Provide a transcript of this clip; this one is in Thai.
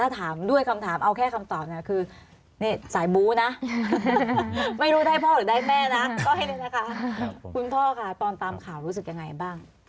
ถามด้วยคำถามเอาแค่คำตอบเนี่ยคือนี่สายบูนะไม่รู้ได้พ่อหรือได้แม่นะก็ให้เลยนะคะคุณพ่อค่ะตอนตามข่าวรู้สึกยังไงบ้าง